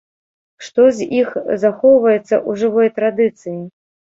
Што з іх захоўваецца ў жывой традыцыі?